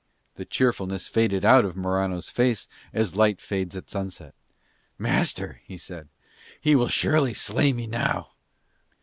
The cheerfulness faded out of Morano's face as light fades at sunset. "Master," he said, "he will surely slay me now."